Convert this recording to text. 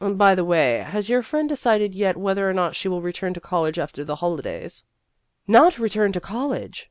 By the way, has your friend decided yet whether or not she will return to college after the holidays ?" "Not return to college